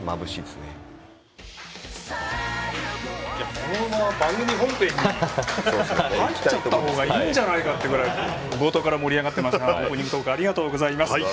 これは番組本編に入っちゃった方がいいんじゃないかぐらい冒頭から盛り上がってましたがオープニングトークありがとうございます。